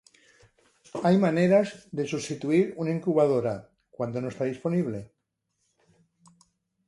Hay maneras de sustituir una incubadora, cuando no está disponible.